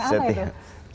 tentang apa itu